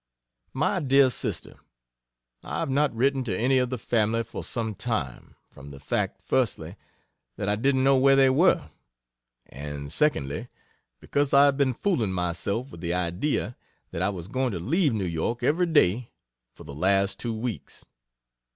MY DEAR SISTER, I have not written to any of the family for some time, from the fact, firstly, that I didn't know where they were, and secondly, because I have been fooling myself with the idea that I was going to leave New York every day for the last two weeks.